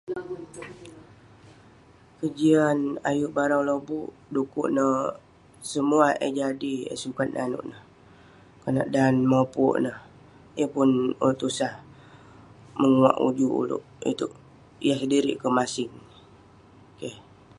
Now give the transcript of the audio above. kejian ayuk barang lobuk du'kuk neh semua eh jadi sukat nanouk neh.. konak dan mopuk neh, yeng pun tusah menguwak ujuk ulouk, itouk..yah sedirik keh masing